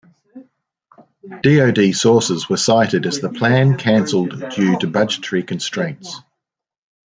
DoD sources were cited as the plan cancelled due to budgetary constraints.